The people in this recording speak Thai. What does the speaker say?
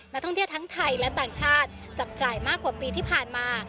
นักท่องเที่ยวทั้งไทยและต่างชาติจับจ่ายมากกว่าปีที่ผ่านมา